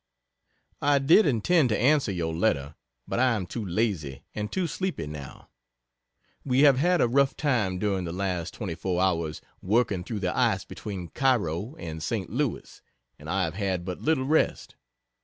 I did intend to answer your letter, but I am too lazy and too sleepy now. We have had a rough time during the last 24 hours working through the ice between Cairo and Saint Louis, and I have had but little rest.